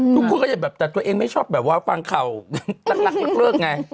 ทุกคนก็จะแบบแต่ตัวเองไม่ชอบแบบว่าฟังข่าวรักเลิกไง